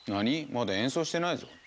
まだ演奏してないぞ。